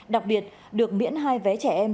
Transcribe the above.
đặc biệt được miễn hai vé trẻ em